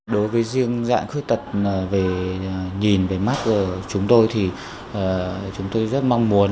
đối với riêng dạng khuyết tật về nhìn về mark chúng tôi thì chúng tôi rất mong muốn